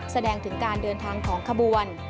แสดงถึงการเดินทางของขบวน